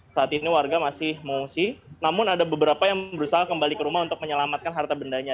saat ini warga masih mengungsi namun ada beberapa yang berusaha kembali ke rumah untuk menyelamatkan harta bendanya